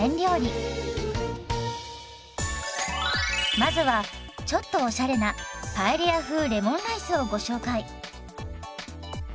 まずはちょっとおしゃれなパエリア風レモンライスをご紹介。